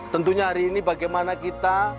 tentunya hari ini bagaimana kita